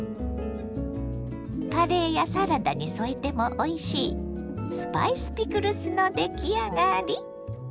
カレーやサラダに添えてもおいしいスパイスピクルスの出来上がり。